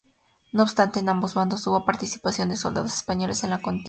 No obstante, en ambos bandos, hubo participación de soldados españoles en la contienda.